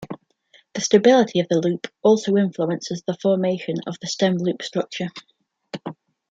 The stability of the loop also influences the formation of the stem-loop structure.